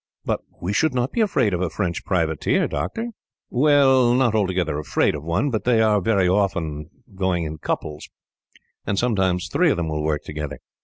"But we should not be afraid of a French privateer, doctor?" "Well, not altogether afraid of one, but they very often go in couples; and sometimes three of them will work together.